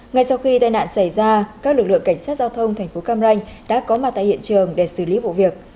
ngay sau khi tai nạn xảy ra các lực lượng cảnh sát giao thông thành phố cam ranh đã có mặt tại hiện trường để xử lý vụ việc